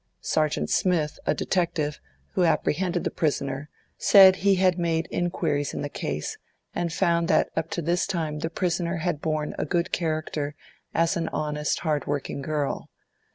Sergeant Smith, a detective, who apprehended the prisoner, said he had made inquiries in the case, and found that up to this time the prisoner had borne a good character as an honest, hard working girl.